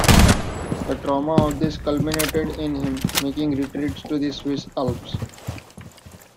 The trauma of this culminated in him making retreats to the Swiss Alps.